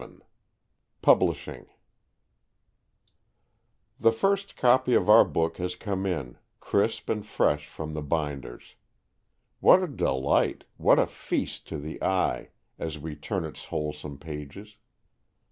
VII PUBLISHING The first copy of our book has come in, crisp and fresh from the binder's. What a delight, what a feast to the eye, as we turn its wholesome pages!